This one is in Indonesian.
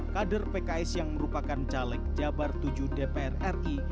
kader pks yang merupakan caleg jabar tujuh dpr ri